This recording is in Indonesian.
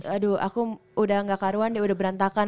aduh aku udah gak karuan dia udah berantakan